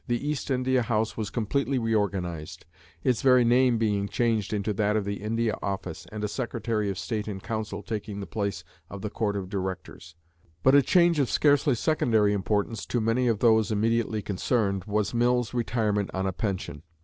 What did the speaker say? The East India House was completely re organized, its very name being changed into that of the India Office, and a Secretary of State in Council taking the place of the Court of Directors. But a change of scarcely secondary importance to many of those immediately concerned was Mill's retirement on a pension.